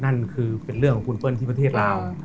นั่นคือเป็นเรื่องของคุณเปิ้ลที่ประเทศลาว